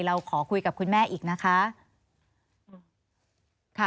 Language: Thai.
เราขอคุยกับคุณแม่อีกนะคะ